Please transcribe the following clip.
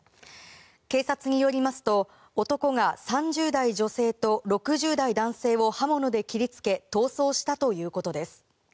警察によりますと男が３０代女性と６０代男性を刃物で切りつけ逃走したということです。